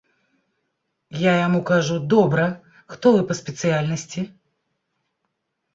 Я яму кажу, добра, хто вы па спецыяльнасці?